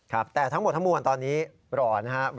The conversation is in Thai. ครับแต่ทั้งหมดทั้งมวลตอนนี้รอนะครับ